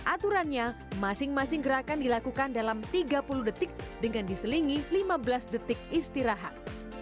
aturannya masing masing gerakan dilakukan dalam tiga puluh detik dengan diselingi lima belas detik istirahat